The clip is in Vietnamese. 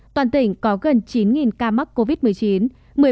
toàn tỉnh có gần chín ca mắc mới